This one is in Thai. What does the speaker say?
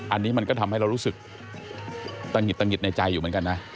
อันนี้มันก็ทำให้เรารู้สึกตะหิดตะหิดในใจอยู่เหมือนกันนะ